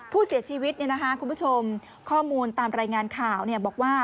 ผู้เสียชีวิตเนี่ยนะคะคุณผู้ชมข้อมูลตามรายงานข่าวเนี่ยบอกว่า